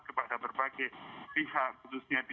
kepada berbagai pihak